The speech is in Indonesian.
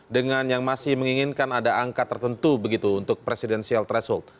dengan yang masih menginginkan ada angka tertentu begitu untuk presidensial threshold